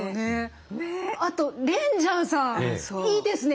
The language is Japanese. あとレンジャーさんいいですね。